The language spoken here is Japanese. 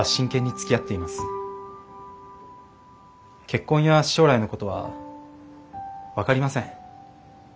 結婚や将来のことは分かりません。